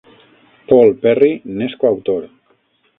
Paul Perry n'és coautor.